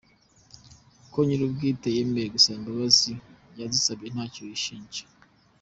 Ko nyiri ubwite yemeye gusaba imbabazi, yazisabye ntacyo yishinja ?